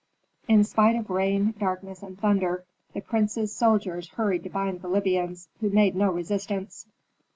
In spite of rain, darkness, and thunder the prince's soldiers hurried to bind the Libyans, who made no resistance.